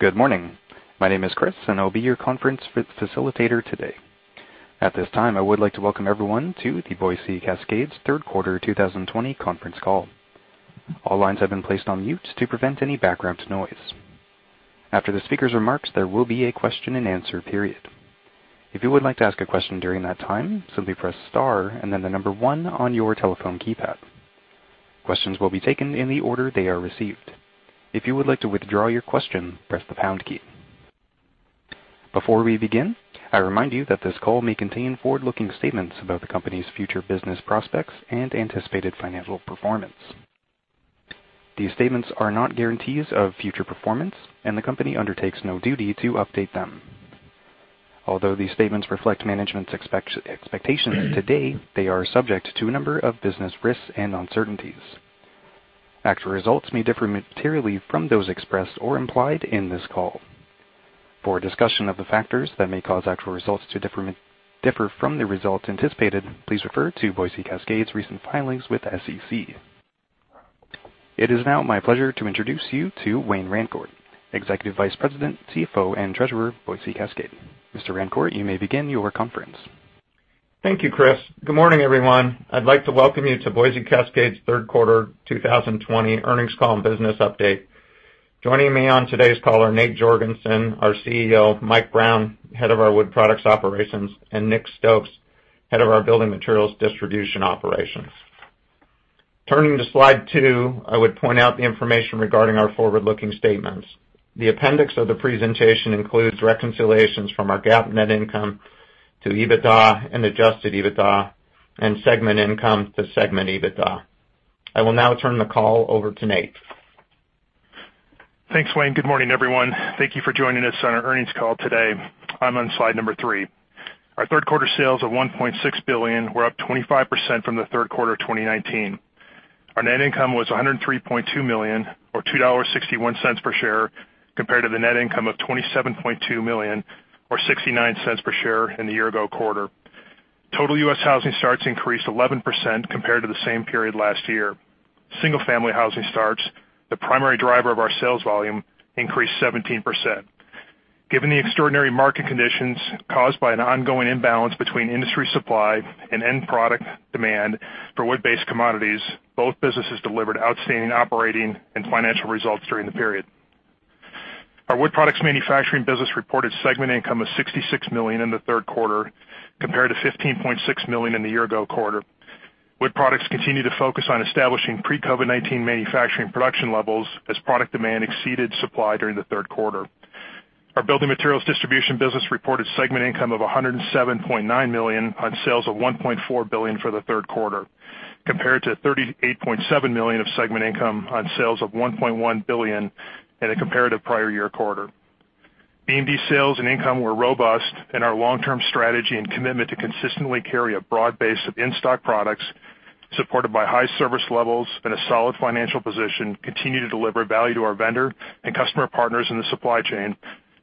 Good morning. My name is Chris, and I'll be your conference facilitator today. At this time, I would like to welcome everyone to the Boise Cascade's third quarter 2020 conference call. All lines have been placed on mute to prevent any background noise. After the speaker's remarks, there will be a question and answer period. If you would like to ask a question during that time, simply press star and then the number one on your telephone keypad. Questions will be taken in the order they are received. If you would like to withdraw your question, press the pound key. Before we begin, I remind you that this call may contain forward-looking statements about the company's future business prospects and anticipated financial performance. These statements are not guarantees of future performance, and the company undertakes no duty to update them. Although these statements reflect management's expectations to date, they are subject to a number of business risks and uncertainties. Actual results may differ materially from those expressed or implied in this call. For a discussion of the factors that may cause actual results to differ from the results anticipated, please refer to Boise Cascade Company's recent filings with the SEC. It is now my pleasure to introduce you to Wayne Rancourt, Executive Vice President, CFO, and Treasurer of Boise Cascade Company. Mr. Rancourt, you may begin your conference. Thank you, Chris. Good morning, everyone. I'd like to welcome you to Boise Cascade's third quarter 2020 earnings call and business update. Joining me on today's call are Nate Jorgensen, our CEO, Mike Brown, head of our Wood Products operations, and Nick Stokes, head of our Building Materials Distribution operations. Turning to slide two, I would point out the information regarding our forward-looking statements. The appendix of the presentation includes reconciliations from our GAAP net income to EBITDA and adjusted EBITDA and segment income to segment EBITDA. I will now turn the call over to Nate. Thanks, Wayne. Good morning, everyone. Thank you for joining us on our earnings call today. I'm on slide number three. Our third quarter sales of $1.6 billion were up 25% from the third quarter of 2019. Our net income was $103.2 million, or $2.61 per share, compared to the net income of $27.2 million, or $0.69 per share in the year-ago quarter. Total U.S. housing starts increased 11% compared to the same period last year. Single-family housing starts, the primary driver of our sales volume, increased 17%. Given the extraordinary market conditions caused by an ongoing imbalance between industry supply and end product demand for wood-based commodities, both businesses delivered outstanding operating and financial results during the period. Our Wood Products manufacturing business reported segment income of $66 million in the third quarter, compared to $15.6 million in the year-ago quarter. Wood Products continue to focus on establishing pre-COVID-19 manufacturing production levels as product demand exceeded supply during the third quarter. Our Building Materials Distribution business reported segment income of $107.9 million on sales of $1.4 billion for the third quarter, compared to $38.7 million of segment income on sales of $1.1 billion in the comparative prior year quarter. BMD sales and income were robust, and our long-term strategy and commitment to consistently carry a broad base of in-stock products, supported by high service levels and a solid financial position, continue to deliver value to our vendor and customer partners in the supply chain,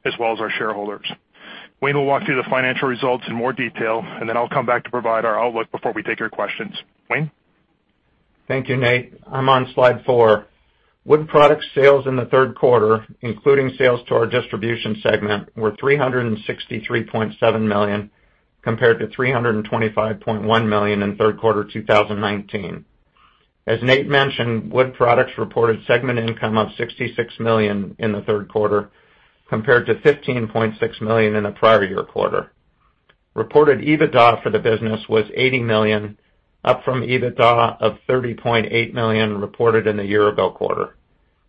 as well as our shareholders. Wayne will walk through the financial results in more detail, and then I'll come back to provide our outlook before we take your questions. Wayne? Thank you, Nate. I'm on slide four. Wood Products sales in the third quarter, including sales to our distribution segment, were $363.7 million, compared to $325.1 million in third quarter 2019. As Nate mentioned, Wood Products reported segment income of $66 million in the third quarter, compared to $15.6 million in the prior year quarter. Reported EBITDA for the business was $80 million, up from EBITDA of $30.8 million reported in the year-ago quarter.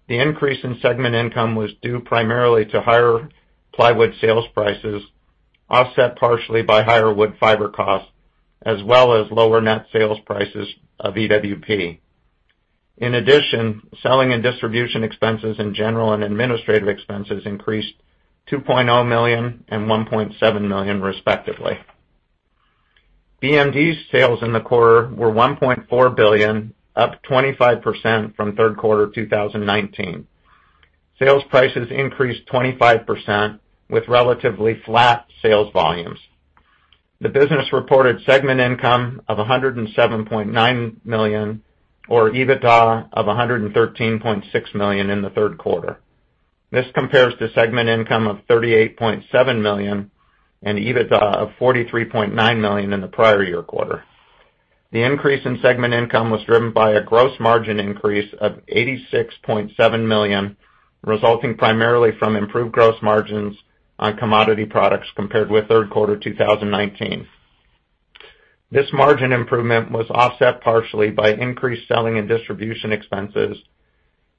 The increase in segment income was due primarily to higher plywood sales prices, offset partially by higher wood fiber costs, as well as lower net sales prices of EWP. In addition, selling and distribution expenses and general and administrative expenses increased $2.0 million and $1.7 million respectively. BMD's sales in the quarter were $1.4 billion, up 25% from third quarter 2019. Sales prices increased 25%, with relatively flat sales volumes. The business reported segment income of $107.9 million, or EBITDA of $113.6 million in the third quarter. This compares to segment income of $38.7 million and EBITDA of $43.9 million in the prior year quarter. The increase in segment income was driven by a gross margin increase of $86.7 million, resulting primarily from improved gross margins on commodity products compared with third quarter 2019. This margin improvement was offset partially by increased selling and distribution expenses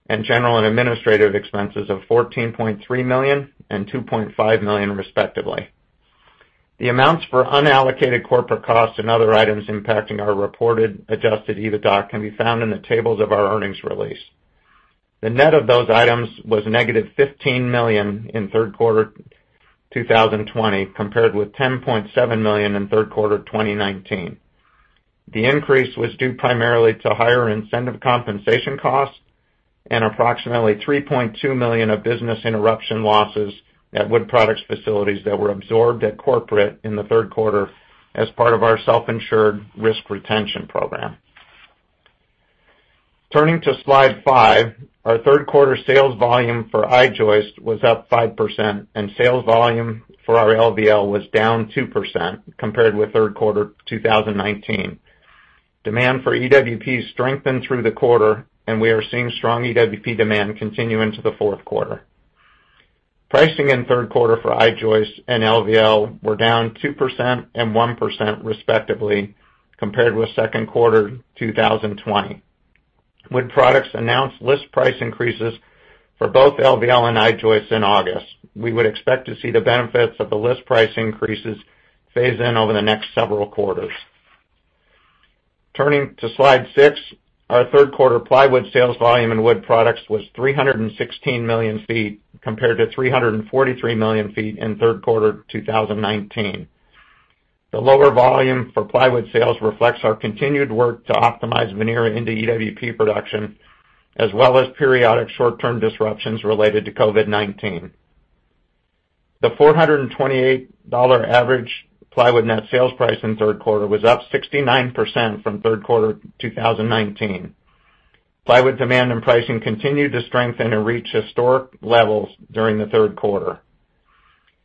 and general and administrative expenses of $14.3 million and $2.5 million respectively. The amounts for unallocated corporate costs and other items impacting our reported adjusted EBITDA can be found in the tables of our earnings release. The net of those items was negative $15 million in third quarter 2020 compared with $10.7 million in third quarter 2019. The increase was due primarily to higher incentive compensation costs and approximately $3.2 million of business interruption losses at Wood Products facilities that were absorbed at corporate in the third quarter as part of our self-insured risk retention program. Turning to slide five, our third quarter sales volume for I-joist was up 5%, and sales volume for our LVL was down 2% compared with third quarter 2019. Demand for EWP strengthened through the quarter, and we are seeing strong EWP demand continue into the fourth quarter. Pricing in third quarter for I-joist and LVL were down 2% and 1% respectively compared with second quarter 2020. Wood Products announced list price increases for both LVL and I-joist in August. We would expect to see the benefits of the list price increases phase in over the next several quarters. Turning to slide six, our third quarter plywood sales volume and Wood Products was 316 million feet compared to 343 million feet in third quarter 2019. The lower volume for plywood sales reflects our continued work to optimize veneer into EWP production, as well as periodic short-term disruptions related to COVID-19. The $428 average plywood net sales price in third quarter was up 69% from third quarter 2019. Plywood demand and pricing continued to strengthen and reach historic levels during the third quarter.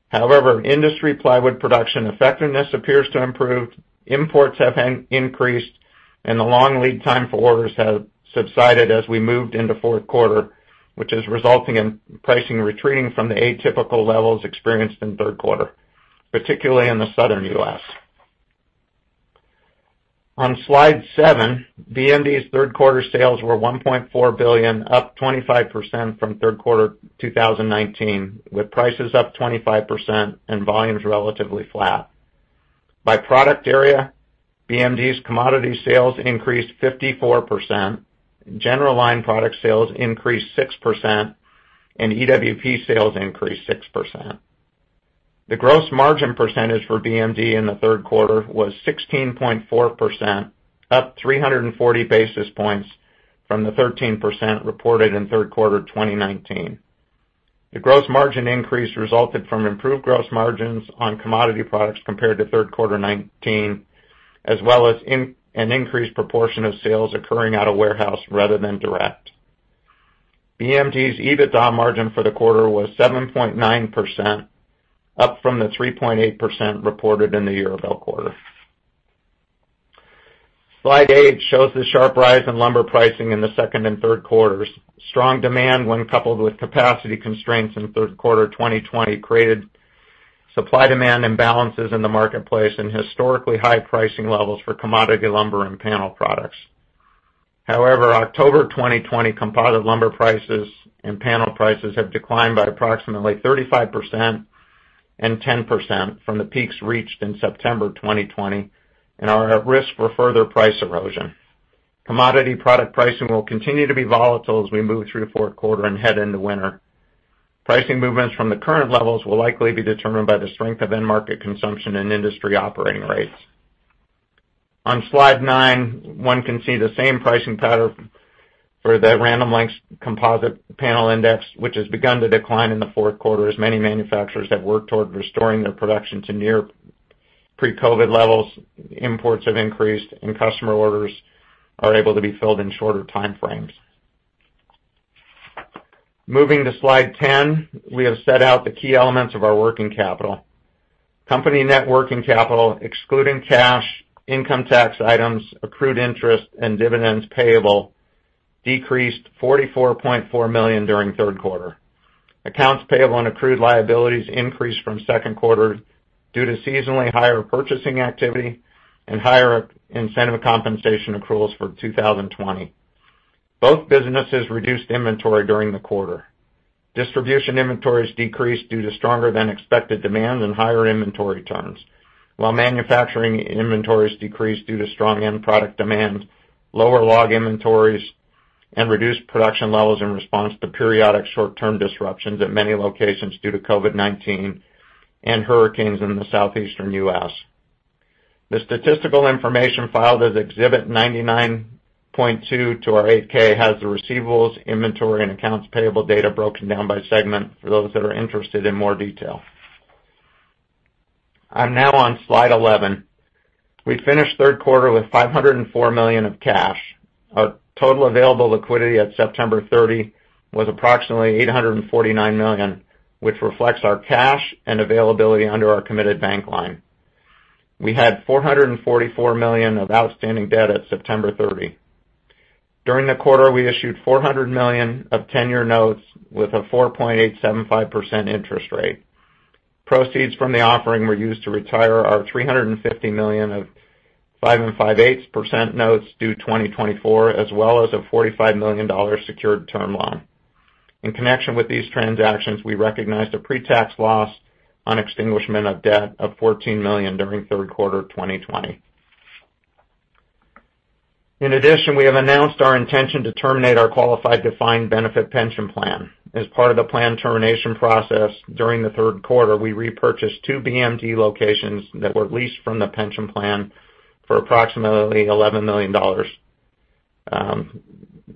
However, industry plywood production effectiveness appears to have improved, imports have increased, and the long lead time for orders have subsided as we moved into fourth quarter, which is resulting in pricing retreating from the atypical levels experienced in third quarter, particularly in the Southern U.S. On slide seven, BMD's third quarter sales were $1.4 billion, up 25% from third quarter 2019, with prices up 25% and volumes relatively flat. By product area, BMD's commodity sales increased 54%, general line product sales increased 6%, and EWP sales increased 6%. The gross margin percentage for BMD in the third quarter was 16.4%, up 340 basis points from the 13% reported in third quarter 2019. The gross margin increase resulted from improved gross margins on commodity products compared to third quarter 2019, as well as an increased proportion of sales occurring out-of-warehouse rather than direct. BMD's EBITDA margin for the quarter was 7.9%, up from the 3.8% reported in the year-ago quarter. Slide eight shows the sharp rise in lumber pricing in the second and third quarters. Strong demand, when coupled with capacity constraints in third quarter 2020, created supply-demand imbalances in the marketplace and historically high pricing levels for commodity lumber and panel products. However, October 2020 composite lumber prices and panel prices have declined by approximately 35% and 10% from the peaks reached in September 2020 and are at risk for further price erosion. Commodity product pricing will continue to be volatile as we move through the fourth quarter and head into winter. Pricing movements from the current levels will likely be determined by the strength of end market consumption and industry operating rates. On slide nine, one can see the same pricing pattern for the Random Lengths composite panel index, which has begun to decline in the fourth quarter as many manufacturers have worked toward restoring their production to near pre-COVID levels, imports have increased, and customer orders are able to be filled in shorter time frames. Moving to slide 10, we have set out the key elements of our working capital. Company net working capital, excluding cash, income tax items, accrued interest, and dividends payable, decreased $44.4 million during the third quarter. Accounts payable and accrued liabilities increased from second quarter due to seasonally higher purchasing activity and higher incentive compensation accruals for 2020. Both businesses reduced inventory during the quarter. Distribution inventories decreased due to stronger-than-expected demand and higher inventory turns, while Manufacturing inventories decreased due to strong end-product demand, lower log inventories, and reduced production levels in response to periodic short-term disruptions at many locations due to COVID-19 and hurricanes in the Southeastern U.S. The statistical information filed as Exhibit 99.2 to our 8-K has the receivables, inventory, and accounts payable data broken down by segment for those that are interested in more detail. I'm now on slide 11. We finished third quarter with $504 million of cash. Our total available liquidity at September 30 was approximately $849 million, which reflects our cash and availability under our committed bank line. We had $444 million of outstanding debt at September 30. During the quarter, we issued $400 million of 10-year notes with a 4.875% interest rate. Proceeds from the offering were used to retire our $350 million of 5 5/8% notes due 2024, as well as a $45 million secured term loan. In connection with these transactions, we recognized a pre-tax loss on extinguishment of debt of $14 million during third quarter 2020. In addition, we have announced our intention to terminate our qualified defined benefit pension plan. As part of the plan termination process during the third quarter, we repurchased two BMD locations that were leased from the pension plan for approximately $11 million.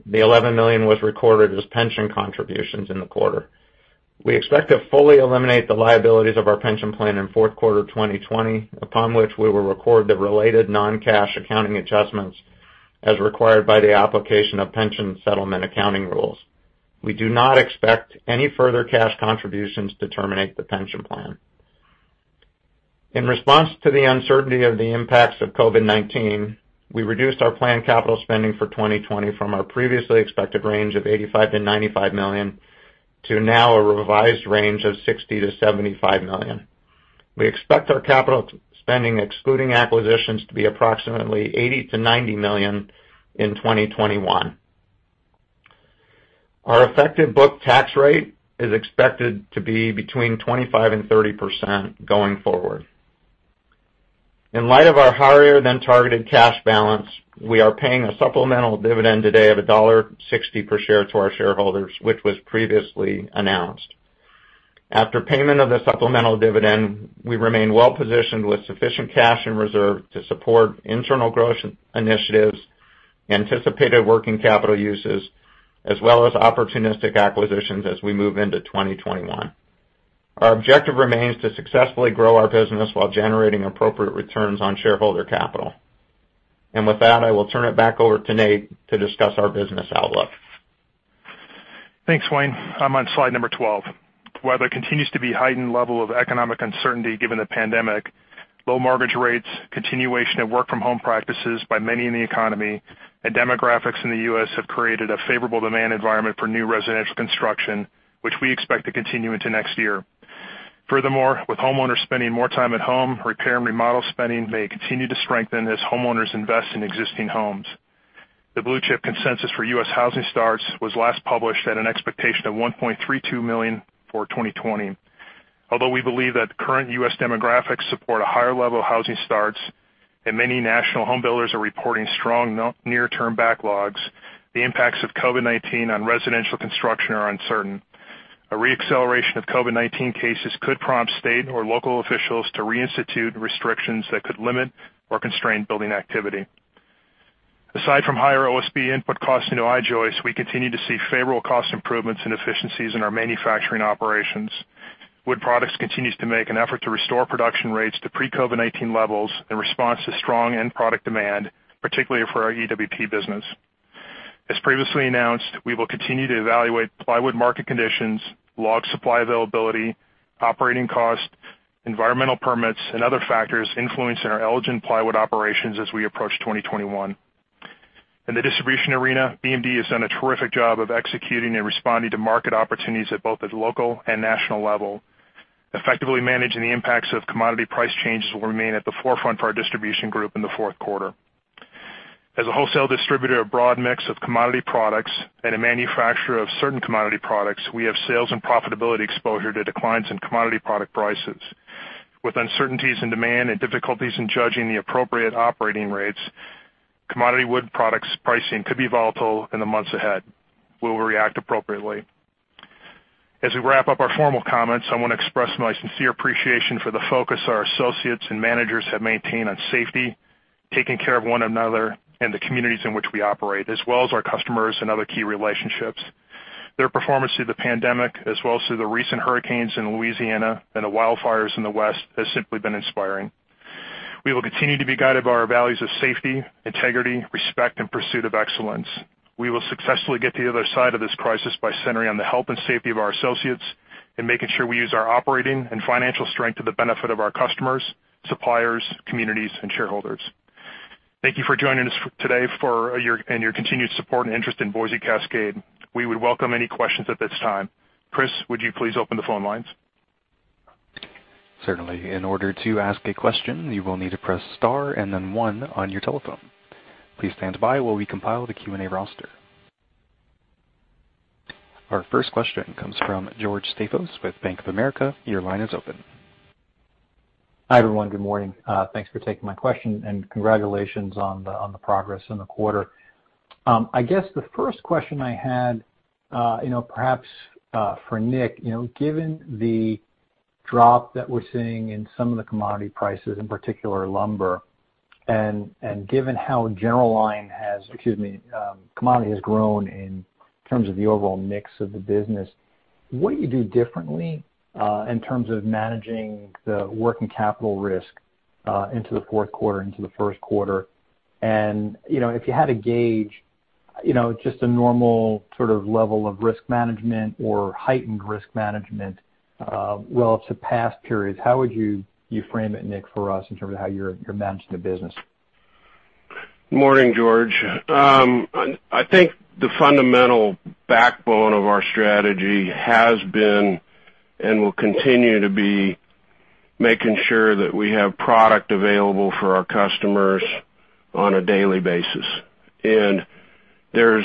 The $11 million was recorded as pension contributions in the quarter. We expect to fully eliminate the liabilities of our pension plan in fourth quarter 2020, upon which we will record the related non-cash accounting adjustments as required by the application of pension settlement accounting rules. We do not expect any further cash contributions to terminate the pension plan. In response to the uncertainty of the impacts of COVID-19, we reduced our planned capital spending for 2020 from our previously expected range of $85 million-$95 million, to now a revised range of $60 million-$75 million. We expect our capital spending, excluding acquisitions, to be approximately $80 million-$90 million in 2021. Our effective book tax rate is expected to be between 25% and 30% going forward. In light of our higher-than-targeted cash balance, we are paying a supplemental dividend today of $1.60 per share to our shareholders, which was previously announced. After payment of the supplemental dividend, we remain well-positioned with sufficient cash in reserve to support internal growth initiatives, anticipated working capital uses, as well as opportunistic acquisitions as we move into 2021. Our objective remains to successfully grow our business while generating appropriate returns on shareholder capital. With that, I will turn it back over to Nate to discuss our business outlook. Thanks, Wayne. I'm on slide number 12. While there continues to be heightened level of economic uncertainty given the pandemic, low mortgage rates, continuation of work-from-home practices by many in the U.S. economy, and demographics in the U.S. have created a favorable demand environment for new residential construction, which we expect to continue into next year. Furthermore, with homeowners spending more time at home, repair and remodel spending may continue to strengthen as homeowners invest in existing homes. The Blue Chip consensus for U.S. housing starts was last published at an expectation of 1.32 million for 2020. Although we believe that current U.S. demographics support a higher level of housing starts and many national home builders are reporting strong near-term backlogs, the impacts of COVID-19 on residential construction are uncertain. A re-acceleration of COVID-19 cases could prompt state or local officials to reinstitute restrictions that could limit or constrain building activity. Aside from higher OSB input costs into I-joist, we continue to see favorable cost improvements and efficiencies in our manufacturing operations. Wood Products continues to make an effort to restore production rates to pre-COVID-19 levels in response to strong end product demand, particularly for our EWP business. As previously announced, we will continue to evaluate plywood market conditions, log supply availability, operating cost, environmental permits, and other factors influencing our Elgin Plywood operations as we approach 2021. In the distribution arena, BMD has done a terrific job of executing and responding to market opportunities at both the local and national level. Effectively managing the impacts of commodity price changes will remain at the forefront for our distribution group in the fourth quarter. As a wholesale distributor of a broad mix of commodity products and a manufacturer of certain commodity products, we have sales and profitability exposure to declines in commodity product prices. With uncertainties in demand and difficulties in judging the appropriate operating rates, commodity wood products pricing could be volatile in the months ahead. We will react appropriately. As we wrap up our formal comments, I want to express my sincere appreciation for the focus our associates and managers have maintained on safety, taking care of one another and the communities in which we operate, as well as our customers and other key relationships. Their performance through the pandemic, as well as through the recent hurricanes in Louisiana and the wildfires in the West, has simply been inspiring. We will continue to be guided by our values of safety, integrity, respect, and pursuit of excellence. We will successfully get to the other side of this crisis by centering on the health and safety of our associates and making sure we use our operating and financial strength to the benefit of our customers, suppliers, communities, and shareholders. Thank you for joining us today and your continued support and interest in Boise Cascade. We would welcome any questions at this time. Chris, would you please open the phone lines? Certainly. In order to ask a question, you will need to press star and then one on your telephone. Please stand by while we compile the Q&A roster. Our first question comes from George Staphos with Bank of America Corporation. Your line is open. Hi, everyone. Good morning. Thanks for taking my question, and congratulations on the progress in the quarter. I guess the first question I had, perhaps for Nick. Given the drop that we're seeing in some of the commodity prices, in particular lumber, and given how commodity has grown in terms of the overall mix of the business, what do you do differently in terms of managing the working capital risk into the fourth quarter, into the first quarter? If you had to gauge just a normal sort of level of risk management or heightened risk management relative to past periods, how would you frame it, Nick, for us in terms of how you're managing the business? Morning, George. I think the fundamental backbone of our strategy has been and will continue to be making sure that we have product available for our customers on a daily basis. There's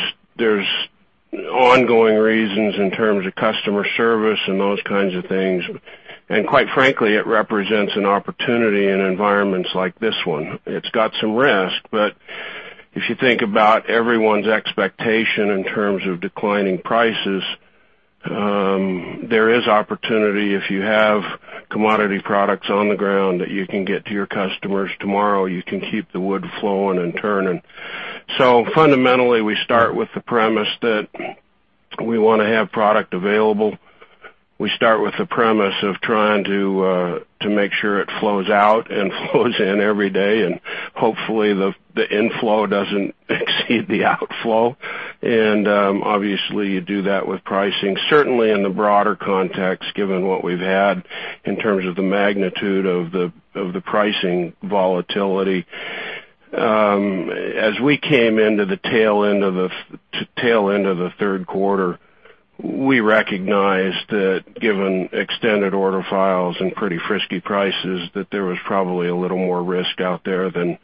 ongoing reasons in terms of customer service and those kinds of things. Quite frankly, it represents an opportunity in environments like this one. It's got some risk, if you think about everyone's expectation in terms of declining prices, there is opportunity if you have commodity products on the ground that you can get to your customers tomorrow, you can keep the wood flowing and turning. Fundamentally, we start with the premise that we want to have product available. We start with the premise of trying to make sure it flows out and flows in every day, hopefully the inflow doesn't exceed the outflow. Obviously you do that with pricing, certainly in the broader context, given what we've had in terms of the magnitude of the pricing volatility. As we came into the tail end of the third quarter, we recognized that given extended order files and pretty frisky prices, that there was probably a little more risk out there than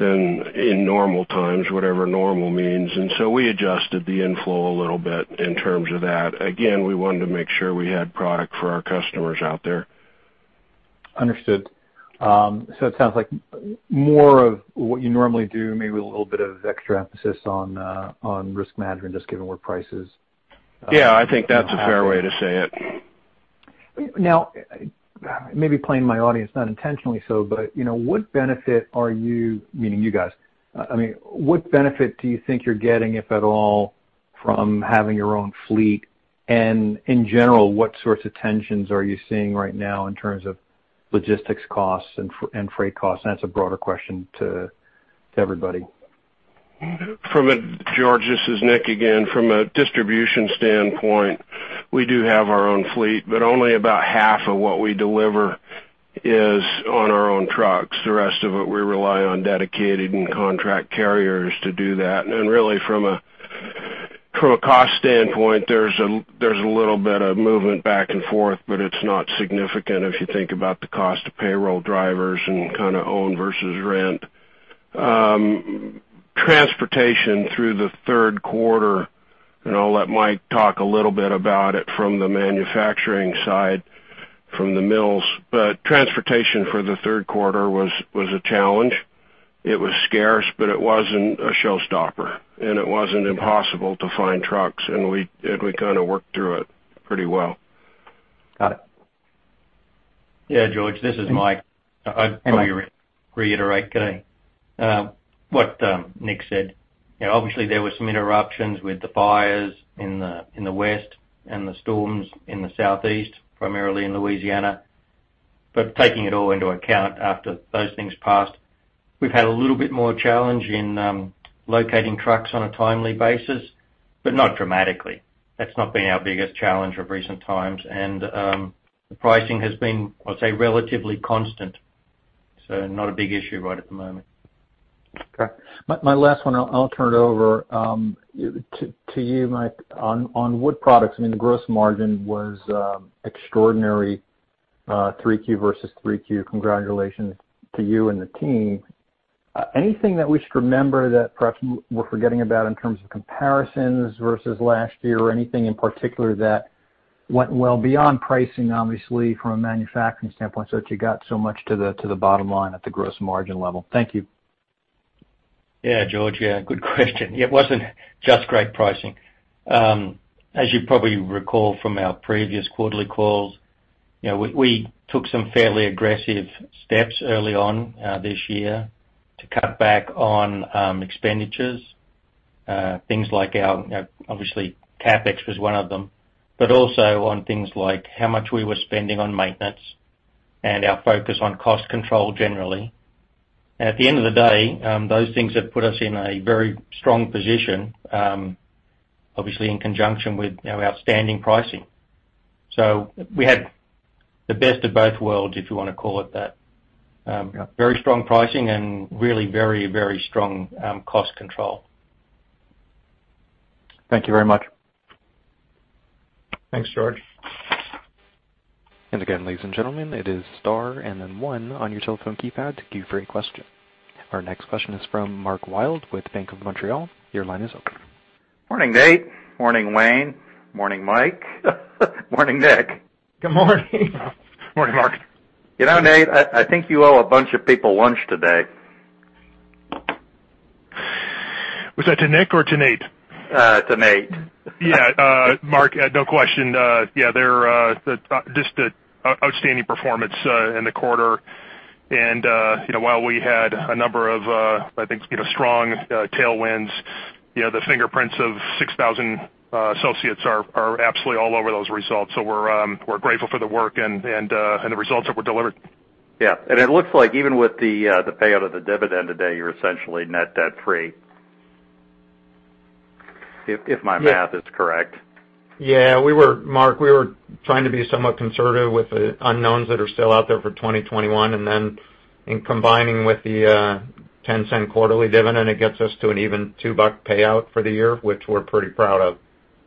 in normal times, whatever normal means. We adjusted the inflow a little bit in terms of that. Again, we wanted to make sure we had product for our customers out there. Understood. It sounds like more of what you normally do, maybe with a little bit of extra emphasis on risk management, just given where prices are. Yeah, I think that's a fair way to say it. I may be playing to my audience, not intentionally so, but what benefit are you, meaning you guys, what benefit do you think you're getting, if at all, from having your own fleet? In general, what sorts of tensions are you seeing right now in terms of logistics costs and freight costs? That's a broader question to everybody. George, this is Nick again. From a distribution standpoint, we do have our own fleet, but only about half of what we deliver is on our own trucks. The rest of it, we rely on dedicated and contract carriers to do that. Really from a cost standpoint, there's a little bit of movement back and forth, but it's not significant if you think about the cost of payroll drivers and kind of own versus rent. Transportation through the third quarter, and I'll let Mike talk a little bit about it from the manufacturing side, from the mills, but transportation for the third quarter was a challenge. It was scarce, but it wasn't a showstopper, and it wasn't impossible to find trucks, and we kind of worked through it pretty well. Got it. Yeah, George, this is Mike. I'd reiterate what Nick said. Obviously, there were some interruptions with the fires in the West and the storms in the Southeast, primarily in Louisiana. Taking it all into account, after those things passed, we've had a little bit more challenge in locating trucks on a timely basis, but not dramatically. That's not been our biggest challenge of recent times. The pricing has been, I'd say, relatively constant, so not a big issue right at the moment. Okay. My last one, I'll turn it over to you, Mike, on Wood Products. The gross margin was extraordinary, 3Q versus 3Q. Congratulations to you and the team. Anything that we should remember that perhaps we're forgetting about in terms of comparisons versus last year or anything in particular that went well beyond pricing, obviously from a manufacturing standpoint, so that you got so much to the bottom line at the gross margin level? Thank you. Yeah, George. Yeah, good question. It wasn't just great pricing. As you probably recall from our previous quarterly calls, we took some fairly aggressive steps early on this year to cut back on expenditures. Obviously, CapEx was one of them, but also on things like how much we were spending on maintenance and our focus on cost control generally. At the end of the day, those things have put us in a very strong position, obviously in conjunction with our outstanding pricing. We had the best of both worlds, if you want to call it that. Very strong pricing and really very strong cost control. Thank you very much. Thanks, George. Again, ladies and gentlemen, it is star and then one on your telephone keypad to queue for a question. Our next question is from Mark Wilde with Bank of Montreal. Your line is open. Morning, Nate. Morning, Wayne. Morning, Mike. Morning, Nick. Good morning. Morning, Mark. You know, Nate, I think you owe a bunch of people lunch today. Was that to Nick or to Nate? To Nate. Yeah, Mark, no question. Yeah, just the outstanding performance in the quarter. While we had a number of, I think, strong tailwinds, the fingerprints of 6,000 associates are absolutely all over those results. We're grateful for the work and the results that were delivered. Yeah. It looks like even with the payout of the dividend today, you're essentially net debt free. If my math is correct. Yeah. Mark, we were trying to be somewhat conservative with the unknowns that are still out there for 2021, and then combining with the $0.10 quarterly dividend, it gets us to an even $2.00 payout for the year, which we're pretty proud of.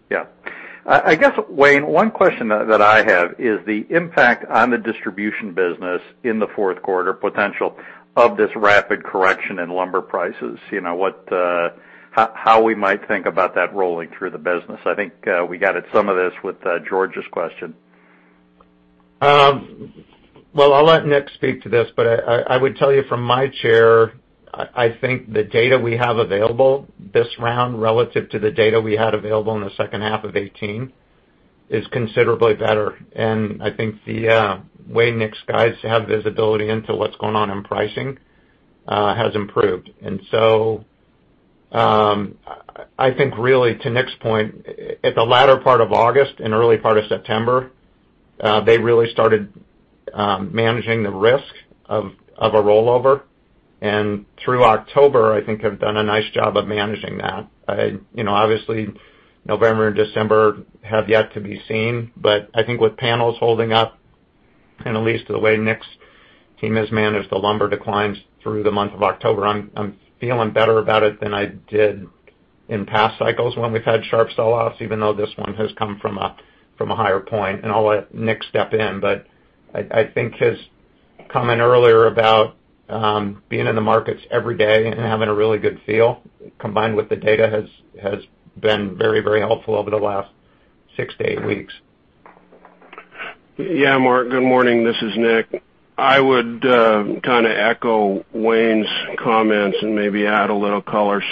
Yeah. I guess, Wayne, one question that I have is the impact on the distribution business in the fourth quarter potential of this rapid correction in lumber prices. How we might think about that rolling through the business. I think we got at some of this with George's question. I'll let Nick speak to this, but I would tell you from my chair, I think the data we have available this round relative to the data we had available in the second half of 2018 is considerably better. I think the way Nick's guys have visibility into what's going on in pricing has improved. I think really, to Nick's point, at the latter part of August and early part of September, they really started managing the risk of a rollover. Through October, I think have done a nice job of managing that. Obviously, November and December have yet to be seen, but I think with panels holding up, and at least to the way Nick's team has managed the lumber declines through the month of October, I'm feeling better about it than I did in past cycles when we've had sharp sell-offs, even though this one has come from a higher point. I'll let Nick step in, but I think his comment earlier about being in the markets every day and having a really good feel, combined with the data, has been very helpful over the last six to eight weeks. Yeah, Mark, good morning. This is Nick. I would kind of echo Wayne's comments and maybe add a little color.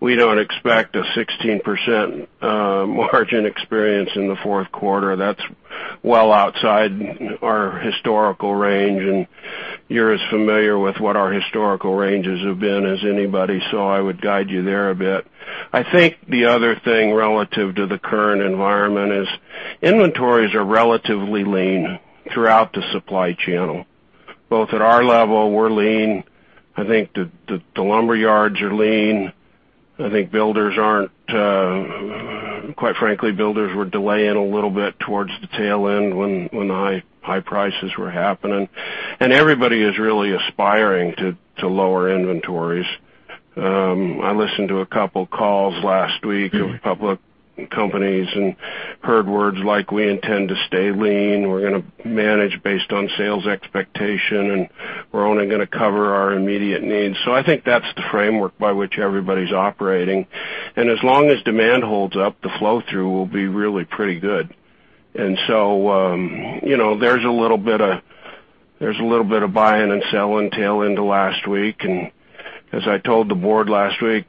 We don't expect a 16% margin experience in the fourth quarter. That's well outside our historical range, and you're as familiar with what our historical ranges have been as anybody, so I would guide you there a bit. I think the other thing relative to the current environment is inventories are relatively lean throughout the supply channel. Both at our level, we're lean. I think the lumberyards are lean. I think builders arent, quite frankly builders were delaying a little bit towards the tail end when the high prices were happening. Everybody is really aspiring to lower inventories. I listened to a couple of calls last week of public companies and heard words like, we intend to stay lean, we're going to manage based on sales expectation, and, we're only going to cover our immediate needs. I think that's the framework by which everybody's operating. As long as demand holds up, the flow-through will be really pretty good. There's a little bit of buying and selling tail into last week. As I told the board last week,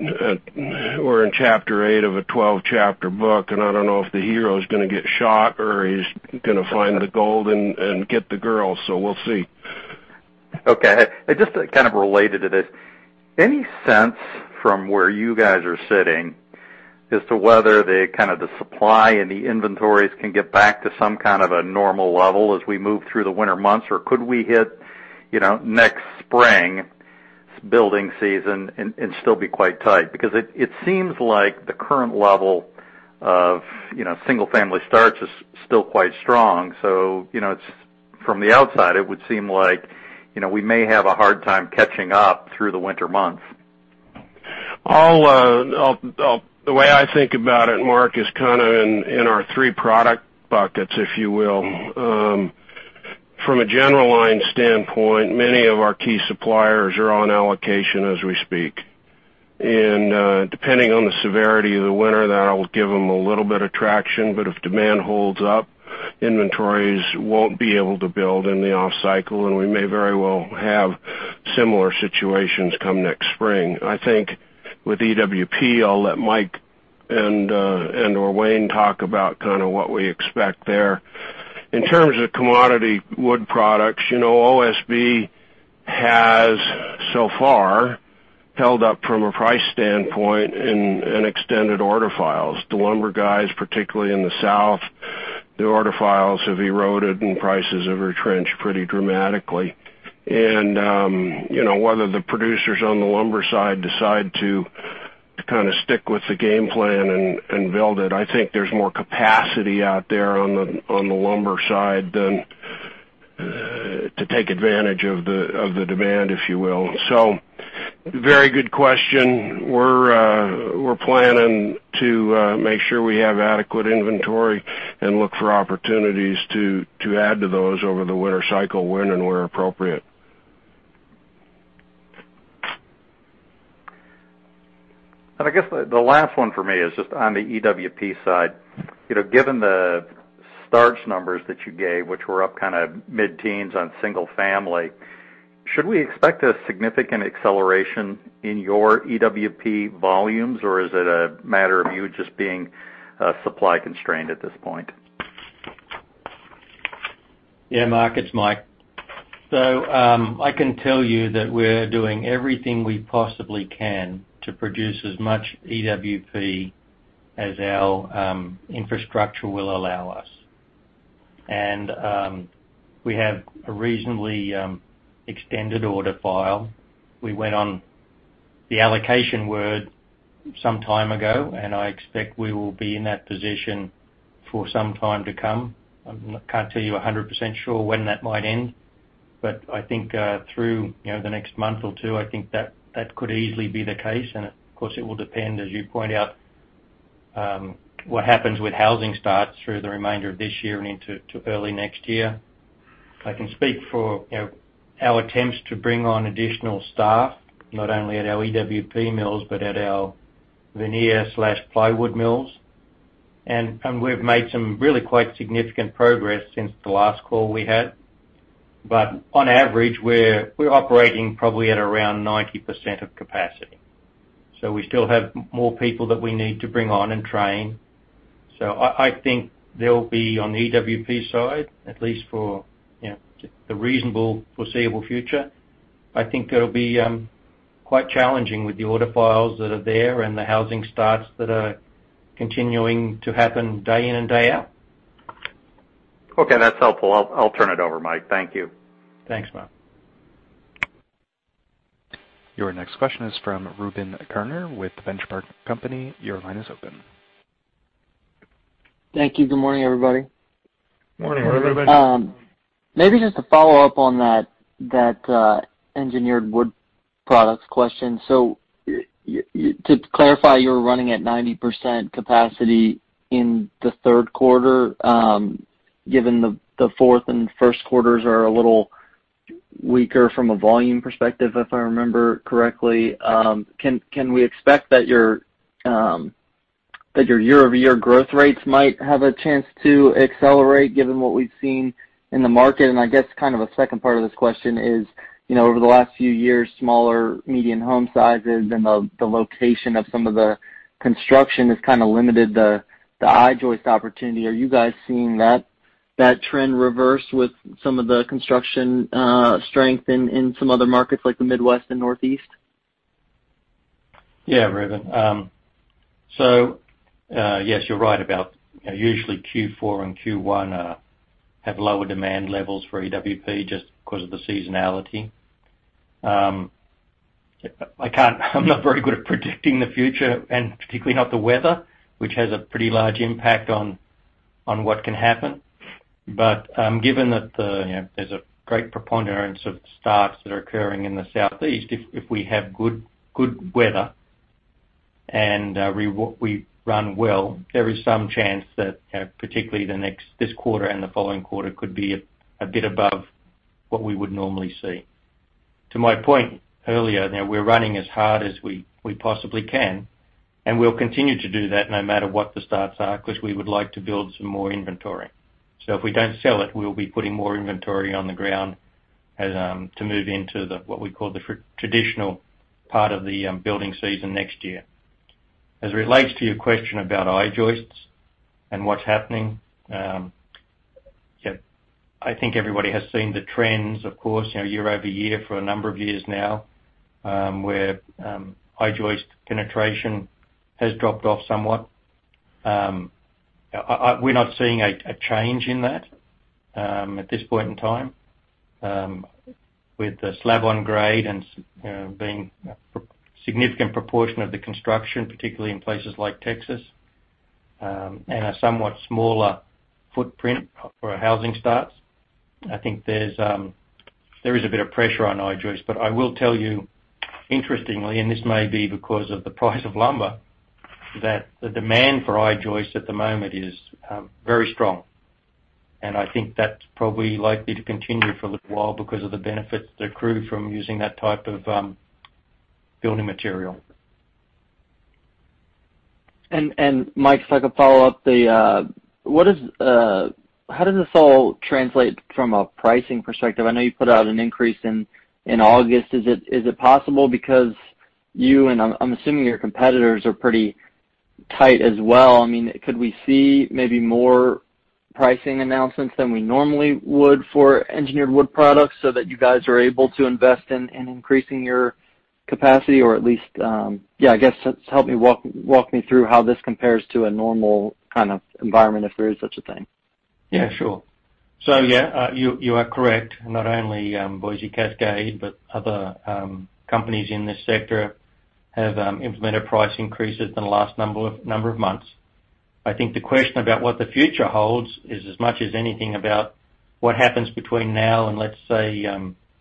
we're in chapter 8 of a 12-chapter book, and I don't know if the hero's going to get shot or he is going to find the gold and get the girl, so we'll see. Okay. Just kind of related to this, any sense from where you guys are sitting as to whether the kind of the supply and the inventories can get back to some kind of a normal level as we move through the winter months? Could we hit next spring's building season and still be quite tight? It seems like the current level of single-family starts is still quite strong. From the outside, it would seem like we may have a hard time catching up through the winter months. The way I think about it, Mark, is kind of in our three product buckets, if you will. From a general line standpoint, many of our key suppliers are on allocation as we speak. Depending on the severity of the winter, that'll give them a little bit of traction. If demand holds up, inventories won't be able to build in the off-cycle, and we may very well have similar situations come next spring. I think with EWP, I'll let Mike and/or Wayne talk about kind of what we expect there. In terms of commodity Wood Products, OSB has so far held up from a price standpoint in extended order files. The lumber guys, particularly in the South, their order files have eroded and prices have retrenched pretty dramatically. Whether the producers on the lumber side decide to kind of stick with the game plan and build it, I think there's more capacity out there on the lumber side than to take advantage of the demand, if you will. Very good question. We're planning to make sure we have adequate inventory and look for opportunities to add to those over the winter cycle when and where appropriate. I guess the last one for me is just on the EWP side. Given the stats numbers that you gave, which were up kind of mid-teens on single family, should we expect a significant acceleration in your EWP volumes or is it a matter of you just being supply constrained at this point? Mark, it's Mike. I can tell you that we're doing everything we possibly can to produce as much EWP as our infrastructure will allow us. We have a reasonably extended order file. We went on the allocation word some time ago, and I expect we will be in that position for some time to come. I can't tell you 100% sure when that might end, but I think through the next month or two, I think that could easily be the case. Of course, it will depend, as you point out, what happens with housing starts through the remainder of this year and into early next year. I can speak for our attempts to bring on additional staff, not only at our EWP mills, but at our veneer/plywood mills. We've made some really quite significant progress since the last call we had. On average, we're operating probably at around 90% of capacity. We still have more people that we need to bring on and train. I think they'll be on the EWP side, at least for the reasonable foreseeable future. I think it'll be quite challenging with the order files that are there and the housing starts that are continuing to happen day in and day out. Okay, that's helpful. I'll turn it over, Mike. Thank you. Thanks, Mark. Your next question is from Reuben Garner with The Benchmark Company. Your line is open. Thank you. Good morning, everybody. Good Morning. Morning, everybody. Maybe just to follow up on that Engineered Wood Products question. To clarify, you're running at 90% capacity in the third quarter, given the fourth and first quarters are a little weaker from a volume perspective, if I remember correctly. Can we expect that your year-over-year growth rates might have a chance to accelerate given what we've seen in the market? I guess kind of a second part of this question is, over the last few years, smaller median home sizes and the location of some of the construction has kind of limited the I-joist opportunity. Are you guys seeing that trend reverse with some of the construction strength in some other markets like the Midwest and Northeast? Yes, Reuben. Yes, you're right about usually Q4 and Q1 have lower demand levels for EWP just because of the seasonality. I'm not very good at predicting the future, particularly not the weather, which has a pretty large impact on what can happen. Given that there's a great preponderance of starts that are occurring in the Southeast, if we have good weather and we run well, there is some chance that particularly this quarter and the following quarter could be a bit above what we would normally see. To my point earlier, we're running as hard as we possibly can, we'll continue to do that no matter what the starts are because we would like to build some more inventory. If we don't sell it, we'll be putting more inventory on the ground to move into what we call the traditional part of the building season next year. As it relates to your question about I-joists and what's happening, I think everybody has seen the trends, of course, year-over-year for a number of years now, where I-joist penetration has dropped off somewhat. We're not seeing a change in that at this point in time. With the slab on grade and being a significant proportion of the construction, particularly in places like Texas, and a somewhat smaller footprint for housing starts, I think there is a bit of pressure on I-joists. I will tell you, interestingly, and this may be because of the price of lumber, that the demand for I-joists at the moment is very strong. I think that's probably likely to continue for a little while because of the benefits that accrue from using that type of building material. Mike, if I could follow up. How does this all translate from a pricing perspective? I know you put out an increase in August. Is it possible because you, and I'm assuming your competitors are pretty tight as well? Could we see maybe more pricing announcements than we normally would for engineered wood products so that you guys are able to invest in increasing your capacity? At least, yeah, I guess help walk me through how this compares to a normal kind of environment, if there is such a thing. Yeah, sure. Yeah you are correct. Not only Boise Cascade, but other companies in this sector have implemented price increases in the last number of months. I think the question about what the future holds is as much as anything about what happens between now and, let's say,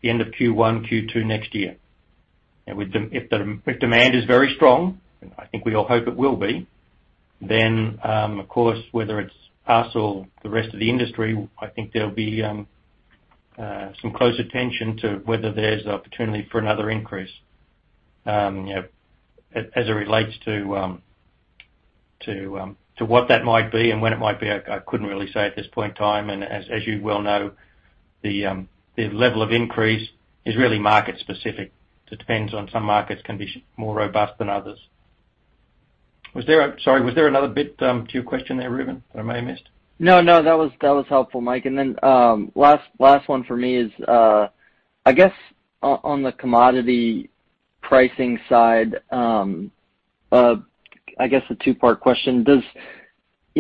the end of Q1, Q2 next year. If demand is very strong, I think we all hope it will be, then, of course, whether it's us or the rest of the industry, I think there'll be some close attention to whether there's opportunity for another increase. As it relates to what that might be and when it might be, I couldn't really say at this point in time. As you well know, the level of increase is really market specific. Depends on some markets can be more robust than others. Sorry, was there another bit to your question there, Reuben, that I may have missed? No, that was helpful, Mike. Last one for me is, I guess on the commodity pricing side, I guess a two-part question.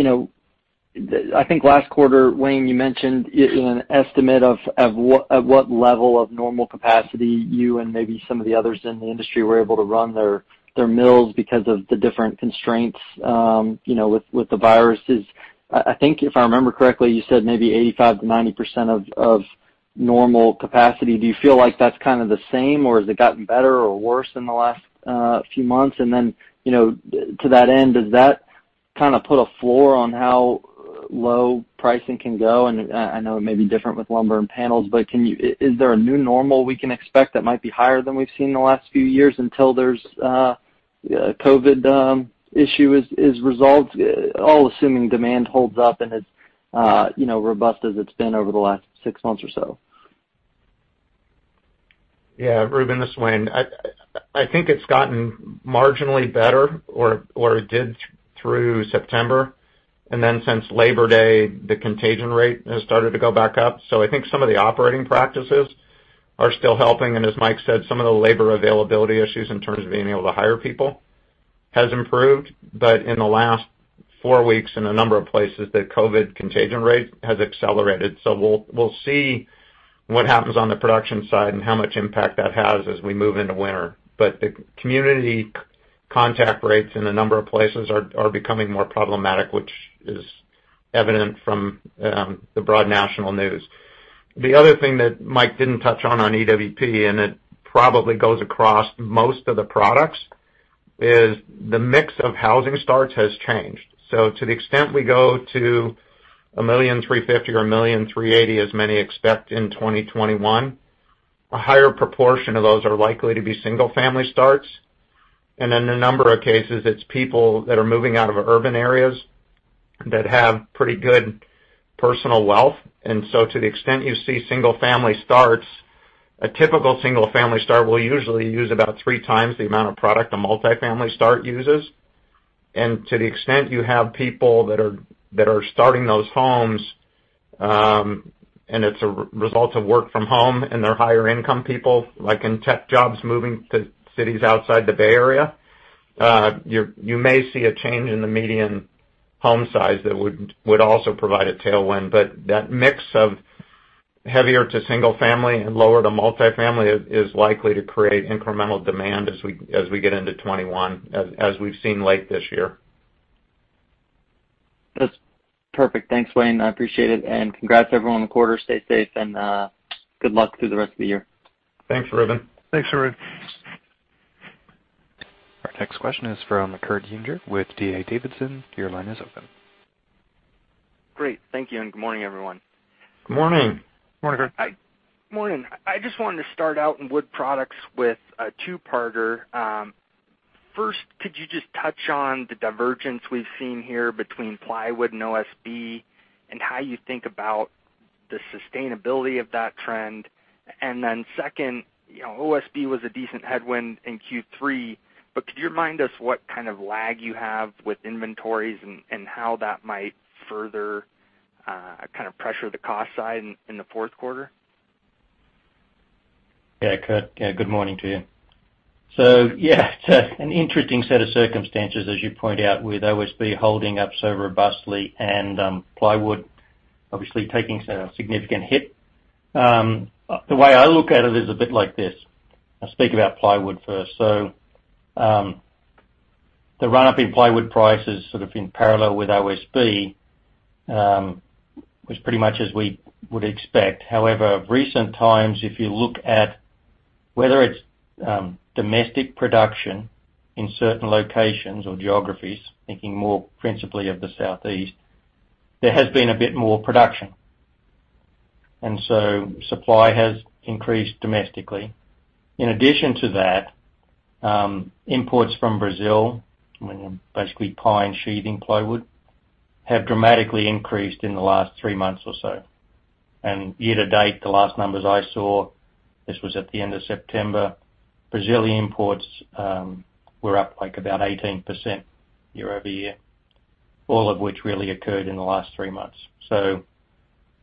I think last quarter, Wayne, you mentioned an estimate of what level of normal capacity you and maybe some of the others in the industry were able to run their mills because of the different constraints with the viruses. I think if I remember correctly, you said maybe 85%-90% of normal capacity. Do you feel like that's kind of the same, or has it gotten better or worse in the last few months? To that end, does that kind of put a floor on how low pricing can go? I know it may be different with lumber and panels, but is there a new normal we can expect that might be higher than we've seen in the last few years until the COVID issue is resolved, all assuming demand holds up and it's robust as it's been over the last six months or so? Yeah. Reuben, this is Wayne. I think it's gotten marginally better, or it did through September, and then since Labor Day, the contagion rate has started to go back up. I think some of the operating practices are still helping, and as Mike said, some of the labor availability issues in terms of being able to hire people has improved. In the last four weeks, in a number of places, the COVID contagion rate has accelerated. We'll see what happens on the production side and how much impact that has as we move into winter. The community contact rates in a number of places are becoming more problematic, which is evident from the broad national news. The other thing that Mike didn't touch on EWP, and it probably goes across most of the products, is the mix of housing starts has changed. To the extent we go to 1.35 million or 1.38 million, as many expect in 2021, a higher proportion of those are likely to be single-family starts. In a number of cases, it's people that are moving out of urban areas that have pretty good personal wealth. To the extent you see single-family starts, a typical single-family start will usually use about three times the amount of product a multifamily start uses. To the extent you have people that are starting those homes, and it's a result of work from home and they're higher-income people, like in tech jobs moving to cities outside the Bay Area, you may see a change in the median home size that would also provide a tailwind. That mix of heavier to single family and lower to multifamily is likely to create incremental demand as we get into 2021, as we've seen late this year. That's perfect. Thanks, Wayne. I appreciate it, and congrats to everyone on the quarter. Stay safe, and good luck through the rest of the year. Thanks, Reuben. Thanks, Reuben. Our next question is from Kurt Yinger with D.A. Davidson. Your line is open. Great. Thank you, and good morning, everyone. Good morning. Morning. I just wanted to start out in Wood Products with a two-parter. First, could you just touch on the divergence we've seen here between plywood and OSB and how you think about the sustainability of that trend? Second, OSB was a decent headwind in Q3, but could you remind us what kind of lag you have with inventories and how that might further kind of pressure the cost side in the fourth quarter? Yeah, Kurt. Good morning to you. It's an interesting set of circumstances, as you point out, with OSB holding up so robustly and plywood obviously taking a significant hit. The way I look at it is a bit like this. I'll speak about plywood first. The run-up in plywood prices sort of in parallel with OSB was pretty much as we would expect. However, recent times, if you look at whether it's domestic production in certain locations or geographies, thinking more principally of the Southeast, there has been a bit more production, and supply has increased domestically. In addition to that, imports from Brazil, basically pine sheathing plywood, have dramatically increased in the last three months or so. Year to date, the last numbers I saw, this was at the end of September, Brazilian imports were up like about 18% year over year, all of which really occurred in the last three months.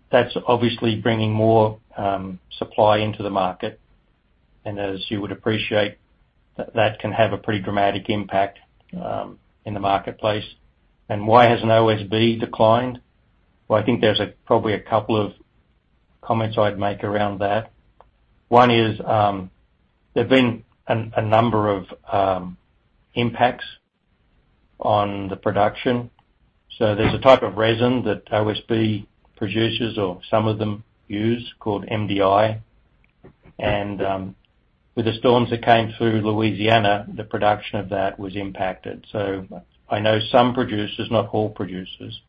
That's obviously bringing more supply into the market, and as you would appreciate, that can have a pretty dramatic impact in the marketplace. Why hasn't OSB declined? Well, I think there's probably a couple of comments I'd make around that. One is, there've been a number of impacts on the production. There's a type of resin that OSB producers or some of them use called MDI, and with the storms that came through Louisiana, the production of that was impacted. I know some producers, not all producers,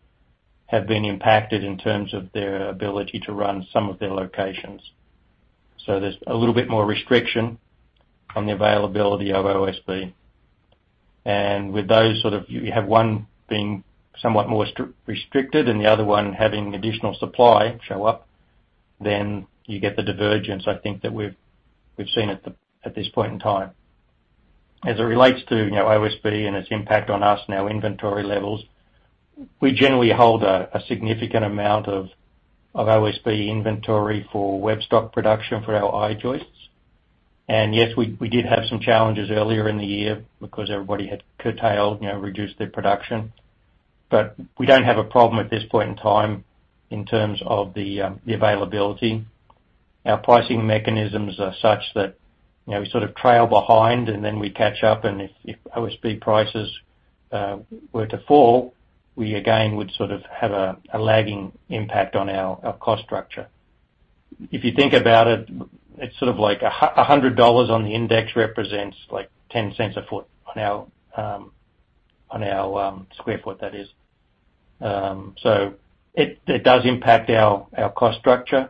have been impacted in terms of their ability to run some of their locations. There's a little bit more restriction on the availability of OSB. With those sort of, you have one being somewhat more restricted and the other one having additional supply show up, then you get the divergence I think that we've seen at this point in time. As it relates to OSB and its impact on us and our inventory levels, we generally hold a significant amount of OSB inventory for web stock production for our I-joists. Yes, we did have some challenges earlier in the year because everybody had curtailed, reduced their production. We don't have a problem at this point in time in terms of the availability. Our pricing mechanisms are such that we sort of trail behind and then we catch up. If OSB prices were to fall, we again would sort of have a lagging impact on our cost structure. If you think about it's sort of like $100 on the index represents like $0.10 a foot on our square foot, that is. It does impact our cost structure.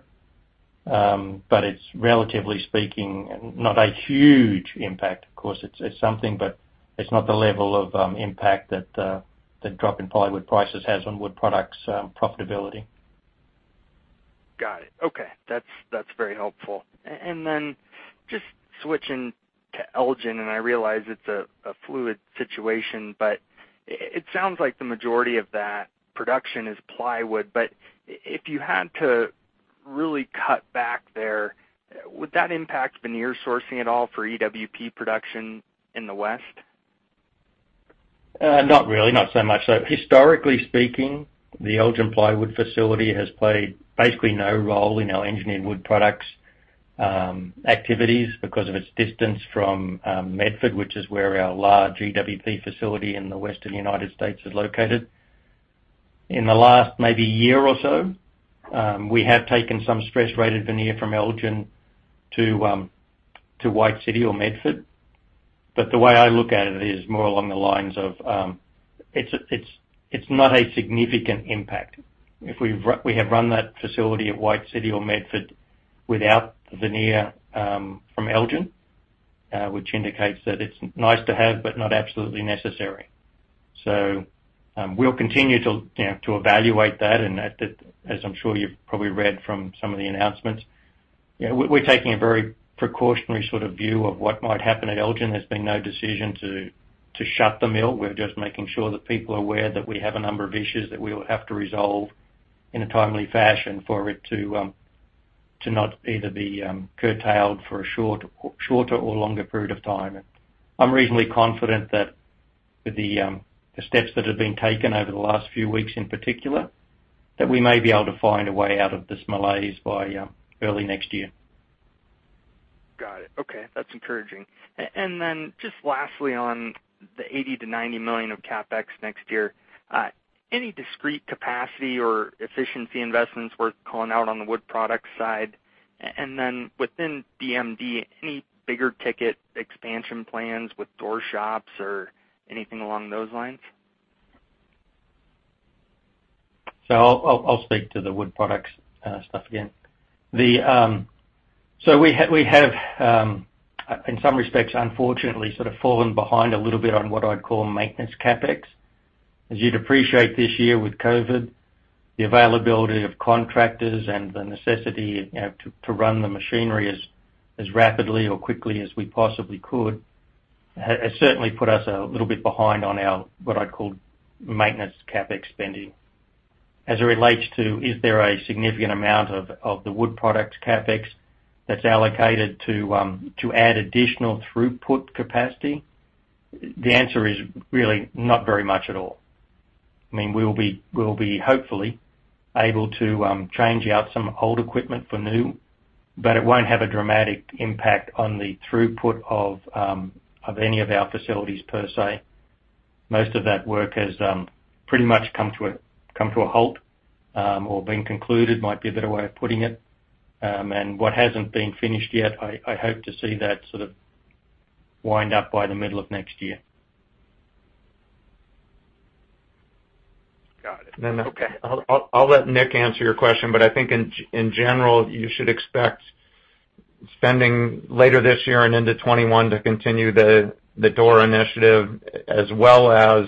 It's relatively speaking, not a huge impact. Of course, it's something, but it's not the level of impact that the drop in plywood prices has on Wood Products profitability. Got it. Okay. That's very helpful. Just switching to Elgin, I realize it's a fluid situation, but it sounds like the majority of that production is plywood. If you had to really cut back there, would that impact veneer sourcing at all for EWP production in the West? Not really, not so much so. Historically speaking, the Elgin Plywood facility has played basically no role in our engineered wood products activities because of its distance from Medford, which is where our large EWP facility in the Western U.S. is located. In the last maybe year or so, we have taken some stress-rated veneer from Elgin to White City or Medford. The way I look at it is more along the lines of, it's not a significant impact. If we have run that facility at White City or Medford without veneer from Elgin, which indicates that it's nice to have, but not absolutely necessary. We'll continue to evaluate that, and as I'm sure you've probably read from some of the announcements, we're taking a very precautionary sort of view of what might happen at Elgin. There's been no decision to shut the mill. We're just making sure that people are aware that we have a number of issues that we will have to resolve in a timely fashion for it to not either be curtailed for a shorter or longer period of time. I'm reasonably confident that with the steps that have been taken over the last few weeks in particular, that we may be able to find a way out of this malaise by early next year. Got it. Okay. That's encouraging. Just lastly, on the $80 million-$90 million of CapEx next year, any discrete capacity or efficiency investments worth calling out on the Wood Products side? Within BMD, any bigger ticket expansion plans with door shops or anything along those lines? I'll speak to the Wood Products stuff again. We have, in some respects unfortunately sort of fallen behind a little bit on what I'd call maintenance CapEx. As you'd appreciate this year with COVID, the availability of contractors and the necessity to run the machinery as rapidly or quickly as we possibly could has certainly put us a little bit behind on our, what I'd call maintenance CapEx spending. As it relates to, is there a significant amount of the Wood Products CapEx that's allocated to add additional throughput capacity? The answer is really not very much at all. We'll be hopefully able to change out some old equipment for new, but it won't have a dramatic impact on the throughput of any of our facilities per se. Most of that work has pretty much come to a halt, or been concluded might be a better way of putting it. What hasn't been finished yet, I hope to see that sort of wind up by the middle of next year. Got it. Okay. I'll let Nick answer your question, but I think in general, you should expect spending later this year and into 2021 to continue the door initiative as well as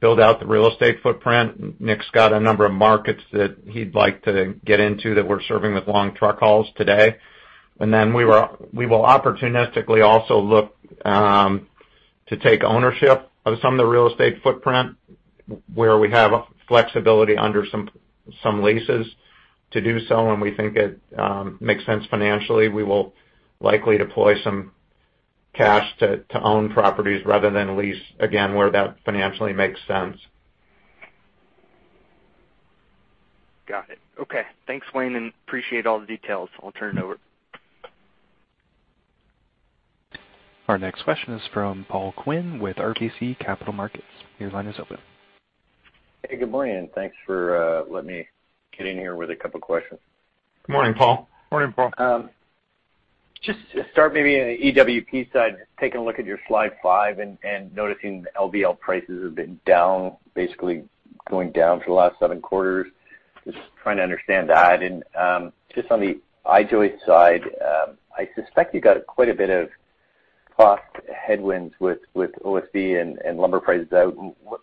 build out the real estate footprint. Nick's got a number of markets that he'd like to get into that we're serving with long truck hauls today. We will opportunistically also look to take ownership of some of the real estate footprint where we have flexibility under some leases to do so, and we think it makes sense financially. We will likely deploy some cash to own properties rather than lease, again, where that financially makes sense. Got it. Okay. Thanks, Wayne. Appreciate all the details. I'll turn it over. Our next question is from Paul Quinn with RBC Capital Markets. Your line is open. Hey, good morning. Thanks for letting me get in here with a couple questions. Good morning, Paul. Morning, Paul. Just to start maybe on the EWP side, taking a look at your slide five and noticing the LVL prices have been down, basically going down for the last seven quarters. Just trying to understand that. And just on the I-joist side, I suspect you got quite a bit of cost headwinds with OSB and lumber prices out.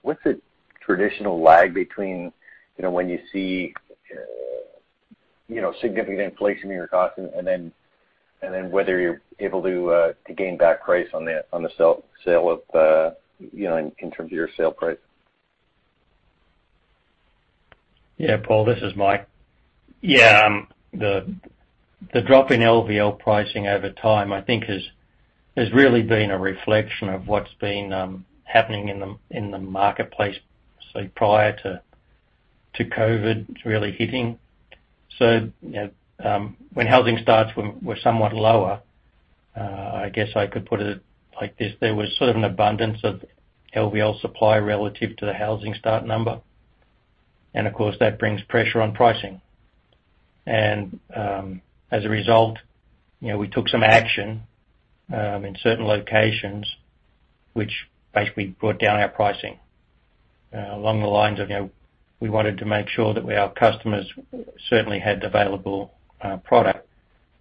What's the traditional lag between when you see significant inflation in your costs and then whether you're able to gain back price in terms of your sale price? Yeah, Paul, this is Mike. Yeah. The drop in LVL pricing over time, I think has really been a reflection of what's been happening in the marketplace prior to COVID really hitting. When housing starts were somewhat lower, I guess I could put it like this, there was sort of an abundance of LVL supply relative to the housing start number. Of course, that brings pressure on pricing. As a result, we took some action in certain locations, which basically brought down our pricing. Along the lines of we wanted to make sure that our customers certainly had available product,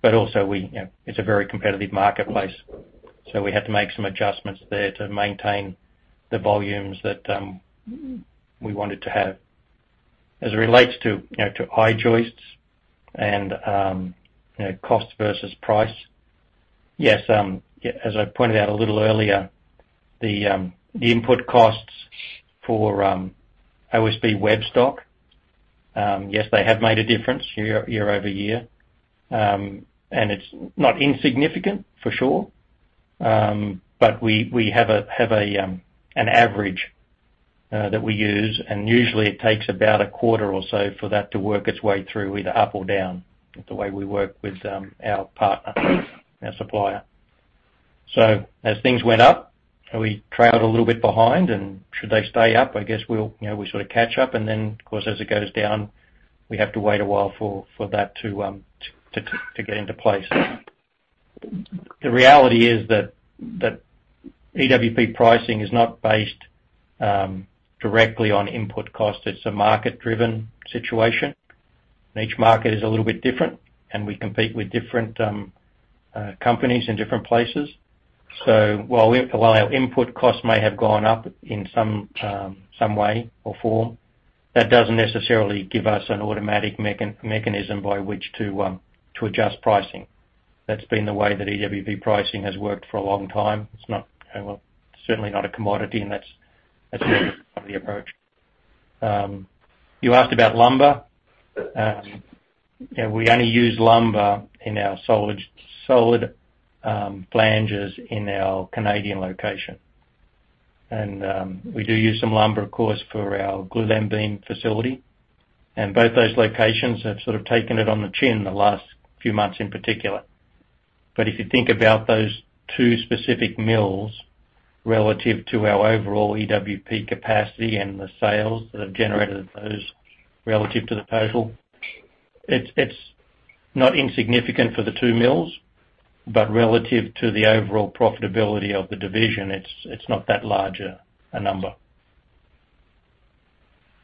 but also it's a very competitive marketplace. We had to make some adjustments there to maintain the volumes that we wanted to have. As it relates to I-joists and cost versus price, yes, as I pointed out a little earlier, the input costs for OSB web stock, yes, they have made a difference year-over-year. It's not insignificant, for sure. We have an average that we use, and usually it takes about a quarter or so for that to work its way through, either up or down. That's the way we work with our partner, our supplier. As things went up, we trailed a little bit behind, and should they stay up, I guess we'll sort of catch up. Of course, as it goes down, we have to wait a while for that to get into place. The reality is that EWP pricing is not based directly on input cost. It's a market-driven situation, and each market is a little bit different, and we compete with different companies in different places. While our input cost may have gone up in some way or form, that doesn't necessarily give us an automatic mechanism by which to adjust pricing. That's been the way that EWP pricing has worked for a long time. It's certainly not a commodity, and that's the approach. You asked about lumber. We only use lumber in our solid flanges in our Canadian location. We do use some lumber, of course, for our glulam beam facility. Both those locations have sort of taken it on the chin the last few months in particular. If you think about those two specific mills relative to our overall EWP capacity and the sales that have generated those relative to the total, it's not insignificant for the two mills, but relative to the overall profitability of the division, it's not that large a number.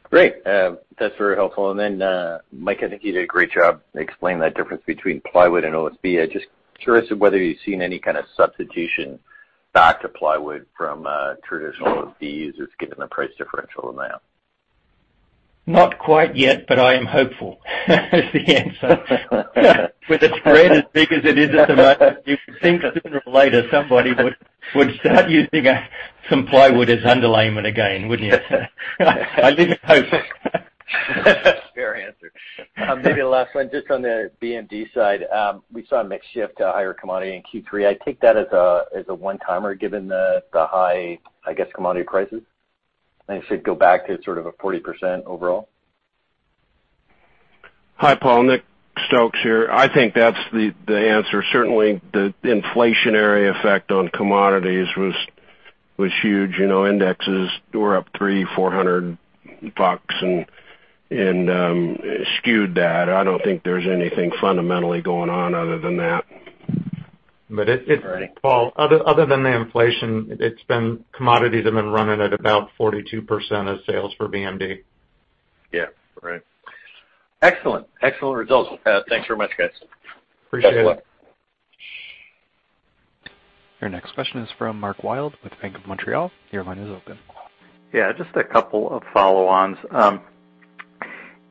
Great. That's very helpful. Mike, I think you did a great job explaining that difference between plywood and OSB. I'm just curious of whether you've seen any kind of substitution back to plywood from traditional OSB users given the price differential amount. Not quite yet, but I am hopeful is the answer. With a spread as big as it is at the moment, you would think sooner or later somebody would start using some plywood as underlayment again, wouldn't you? I live in hope. Fair answer. Maybe the last one, just on the BMD side. We saw a mix shift to higher commodity in Q3. I take that as a one-timer given the high commodity prices. It should go back to sort of a 40% overall? Hi, Paul. Nick Stokes here. I think that's the answer. Certainly the inflationary effect on commodities was huge. Indexes were up $300, $400 and skewed that. I don't think there's anything fundamentally going on other than that. Hey Paul, other than the inflation, commodities have been running at about 42% of sales for BMD. Yeah. Right. Excellent. Excellent results. Thanks very much, guys. Appreciate it. Your next question is from Mark Wilde with Bank of Montreal. Your line is open. Yeah, just a couple of follow-ons.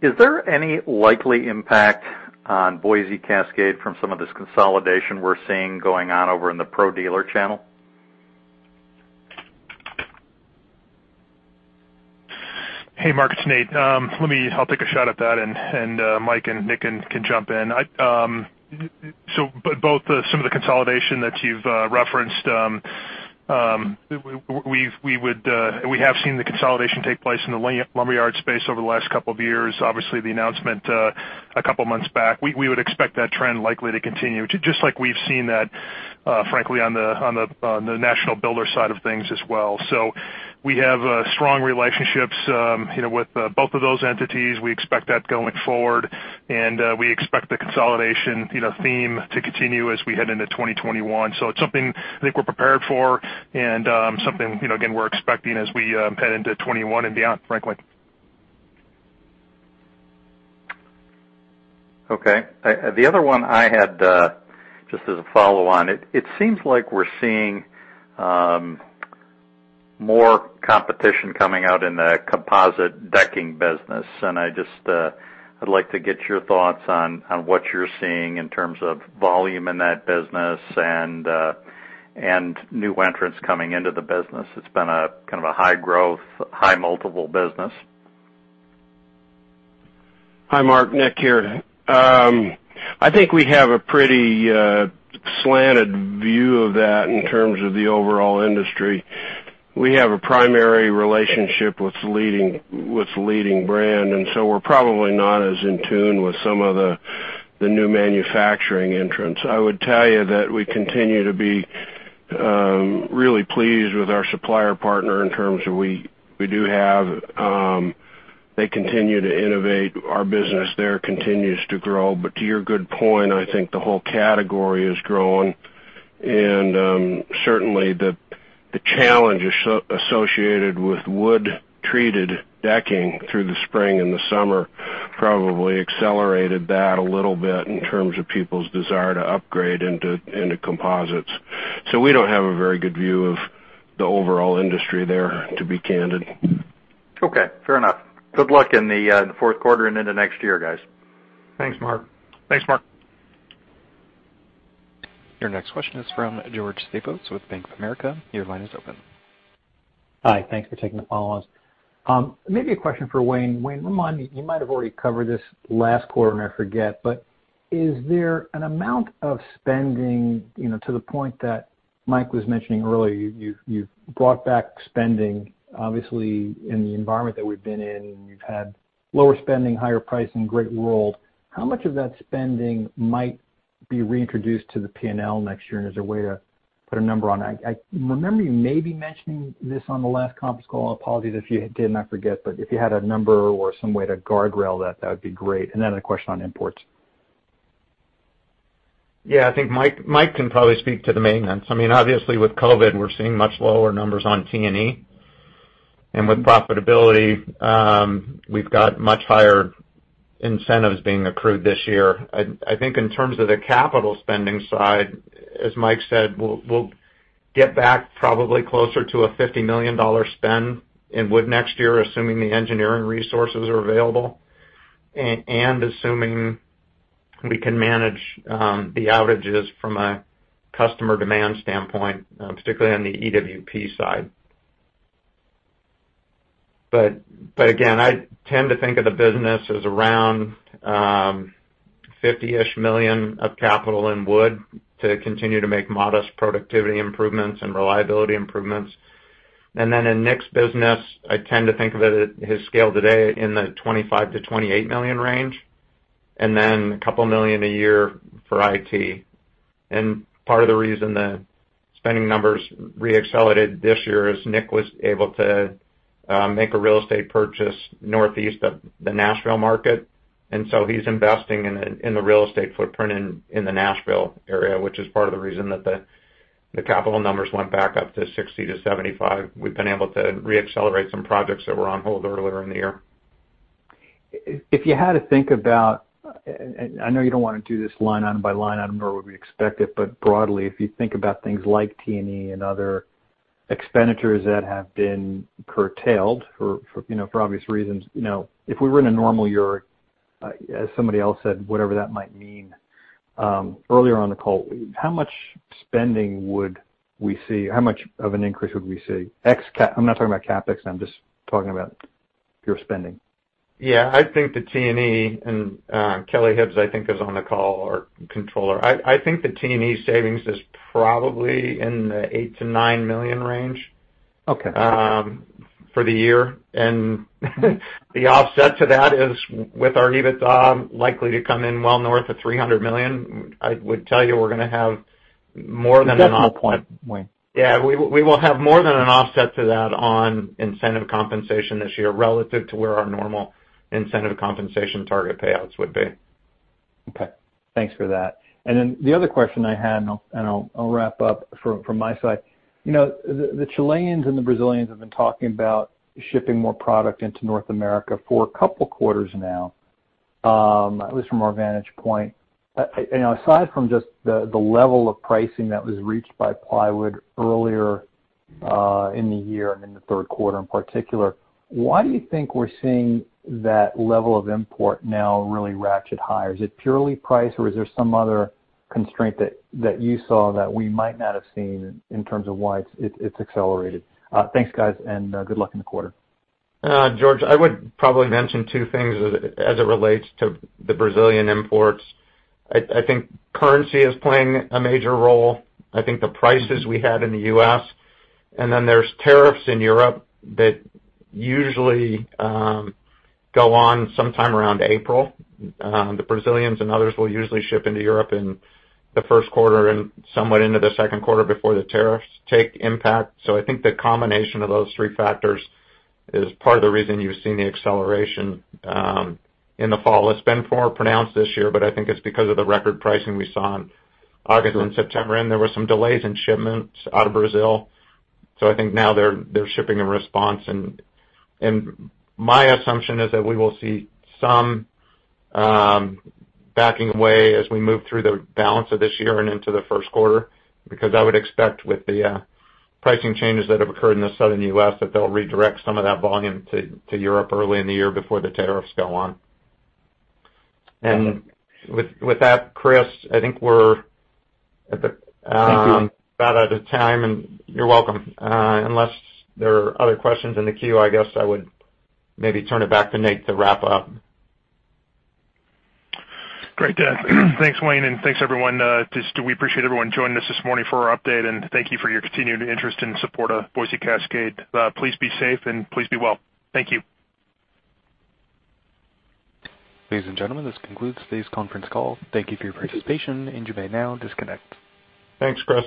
Is there any likely impact on Boise Cascade from some of this consolidation we're seeing going on over in the pro dealer channel? Hey, Mark, it's Nate. I'll take a shot at that. Mike and Nick can jump in. Both some of the consolidation that you've referenced, we have seen the consolidation take place in the lumberyard space over the last couple of years. Obviously, the announcement a couple of months back. We would expect that trend likely to continue, just like we've seen that, frankly, on the national builder side of things as well. We have strong relationships with both of those entities. We expect that going forward. We expect the consolidation theme to continue as we head into 2021. It's something I think we're prepared for and something, again, we're expecting as we head into 2021 and beyond, frankly. Okay. The other one I had, just as a follow-on. It seems like we're seeing more competition coming out in the composite decking business, and I'd like to get your thoughts on what you're seeing in terms of volume in that business and new entrants coming into the business. It's been kind of a high growth, high multiple business. Hi, Mark. Nick here. I think we have a pretty slanted view of that in terms of the overall industry. We have a primary relationship with the leading brand, we're probably not as in tune with some of the new manufacturing entrants. I would tell you that we continue to be really pleased with our supplier partner in terms of we do have, they continue to innovate. Our business there continues to grow. To your good point, I think the whole category is growing, and certainly, the challenge associated with wood-treated decking through the spring and the summer probably accelerated that a little bit in terms of people's desire to upgrade into composites. We don't have a very good view of the overall industry there, to be candid. Okay, fair enough. Good luck in the fourth quarter and into next year, guys. Thanks, Mark. Thanks, Mark. Your next question is from George Staphos with Bank of America Corporation. Your line is open. Hi. Thanks for taking the call. Maybe a question for Wayne. Wayne, remind me, you might have already covered this last quarter, and I forget, but is there an amount of spending, to the point that Mike was mentioning earlier, you've brought back spending, obviously, in the environment that we've been in, and you've had lower spending, higher pricing, great world. How much of that spending might be reintroduced to the P&L next year, and is there a way to put a number on that? I remember you maybe mentioning this on the last conference call. Apologies if you did and I forget, but if you had a number or some way to guardrail that would be great. A question on imports. Yeah, I think Mike can probably speak to the maintenance. Obviously, with COVID, we're seeing much lower numbers on T&E. With profitability, we've got much higher incentives being accrued this year. I think in terms of the capital spending side, as Mike said, we'll get back probably closer to a $50 million spend in wood next year, assuming the engineering resources are available, and assuming we can manage the outages from a customer demand standpoint, particularly on the EWP side. Again, I tend to think of the business as around $50-ish million of capital in wood to continue to make modest productivity improvements and reliability improvements. In Nick's business, I tend to think of it at his scale today in the $25 million-$28 million range, and then $2 million a year for IT. Part of the reason the spending numbers re-accelerated this year is Nick was able to make a real estate purchase northeast of the Nashville market. He's investing in the real estate footprint in the Nashville area, which is part of the reason that the capital numbers went back up to $60 million-$75 million. We've been able to re-accelerate some projects that were on hold earlier in the year. If you had to think about, and I know you don't want to do this line item by line item, nor would we expect it, but broadly, if you think about things like T&E and other expenditures that have been curtailed for obvious reasons, if we were in a normal year, as somebody else said, whatever that might mean, earlier on the call, how much spending would we see? How much of an increase would we see? I'm not talking about CapEx, I'm just talking about pure spending. Yeah, I think the T&E, and Kelly Hibbs, I think, is on the call, our Controller. I think the T&E savings is probably in the $8 million-$9 million range. Okay for the year. The offset to that is with our EBITDA likely to come in well north of $300 million, I would tell you we're going to have more than an off yeah, we will have more than an offset to that on incentive compensation this year relative to where our normal incentive compensation target payouts would be. Okay. Thanks for that. Then the other question I had, and I'll wrap up from my side. The Chileans and the Brazilians have been talking about shipping more product into North America for a couple of quarters now, at least from our vantage point. Aside from just the level of pricing that was reached by plywood earlier in the year and in the third quarter in particular, why do you think we're seeing that level of import now really ratchet higher? Is it purely price, or is there some other constraint that you saw that we might not have seen in terms of why it's accelerated? Thanks, guys, and good luck in the quarter. George, I would probably mention two things as it relates to the Brazilian imports. I think currency is playing a major role. I think the prices we had in the U.S., and then there's tariffs in Europe that usually go on sometime around April. The Brazilians and others will usually ship into Europe in the first quarter and somewhat into the second quarter before the tariffs take impact. I think the combination of those three factors is part of the reason you've seen the acceleration in the fall. It's been more pronounced this year, but I think it's because of the record pricing we saw in August and September, and there were some delays in shipments out of Brazil. I think now they're shipping in response, and my assumption is that we will see some backing away as we move through the balance of this year and into the first quarter, because I would expect with the pricing changes that have occurred in the Southern U.S. that they'll redirect some of that volume to Europe early in the year before the tariffs go on. With that, Chris. Thank you. about out of time, and you're welcome. Unless there are other questions in the queue, I guess I would maybe turn it back to Nate to wrap up. Great. Thanks, Wayne, and thanks, everyone. We appreciate everyone joining us this morning for our update, and thank you for your continued interest and support of Boise Cascade. Please be safe and please be well. Thank you. Ladies and gentlemen, this concludes today's conference call. Thank you for your participation. You may now disconnect. Thanks, Chris.